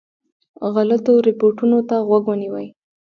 غلطو رپوټونو ته غوږ ونیوی.